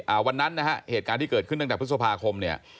วันนั้นนะฮะเหตุการณ์ที่เกิดขึ้นตั้งแต่พฤษภาคมเนี่ย